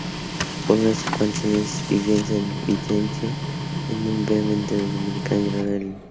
Por unos cuantos años, vivió en San Vincenzo, en un convento Dominicano llamado Annalena.